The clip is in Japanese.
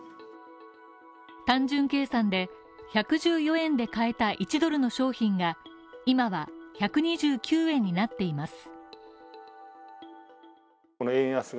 単純計算で１１４円で買えた１ドルの商品が、今は１２９円になっています。